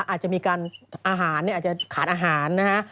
อาจจะมีการอาหารเนี่ยอาจจะขาดอาหารนะฮะ